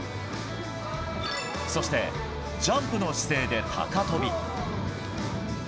そして、ジャンプの姿勢で高跳び。